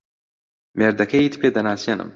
مێردەکەیت پێ دەناسێنم.